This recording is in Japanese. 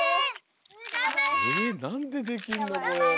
えなんでできるのこれ？